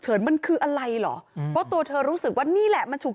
มันคืออะไรเหรอเพราะตัวเธอรู้สึกว่านี่แหละมันถูก